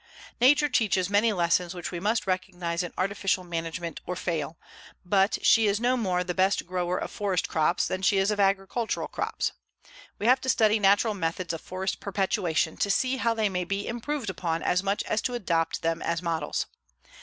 Nature teaches many lessons which we must recognize in artificial management or fail, but she is no more the best grower of forest crops than she is of agricultural crops. We have to study natural methods of forest perpetuation to see how they may be improved upon as much as to adopt them as models.